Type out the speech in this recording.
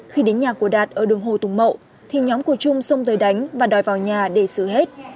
khi đến nhà của đạt ở đường hồ tùng mậu thì nhóm của trung xông tới đánh và đòi vào nhà để sửa hết